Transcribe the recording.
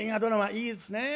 いいですね。